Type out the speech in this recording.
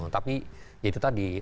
tapi itu tadi